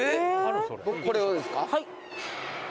これをですか。